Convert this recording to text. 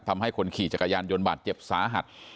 ทำให้คนขี่จักรยานยนต์บาดเจ็บสาหัส